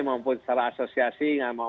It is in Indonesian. maupun secara asosiasi nggak mau